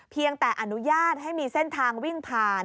เพียงแต่อนุญาตให้มีเส้นทางวิ่งผ่าน